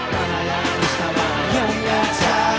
mana yang disalah yang nyata